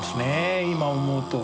今思うと。